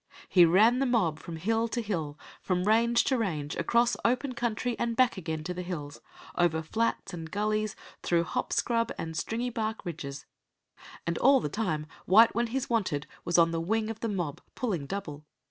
He ran the mob from hill to hill, from range to range, across open country and back again to the hills, over flats and gullies, through hop scrub and stringybark ridges; and all the time White when he's wanted was on the wing of the mob, pulling double.